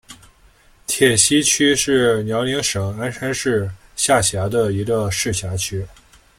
铁西区是辽宁省鞍山市下辖的一个市辖区。